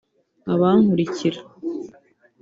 abankurikira